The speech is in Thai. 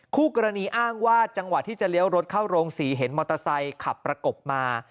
คู่กรณีอ้างว่าจังหวะที่จะเลี้ยวรถเข้าโรงศรีเห็นมอเตอร์ไซค์ขับประกบมา